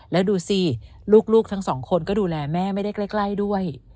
แล้วดูสิลูกทั้งสองคนก็ดูแลแม่ไม่ได้ใกล้ด้วย